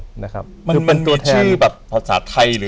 มันมีชื่อแบบภาษาไทยหรืออย่างนั้น